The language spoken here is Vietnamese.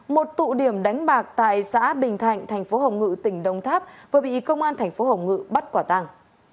một tụ điểm đánh bạc tại xã bình thạnh tp hồng ngự tỉnh đông tháp vừa bị công an tp hồng ngự bắt quả tăng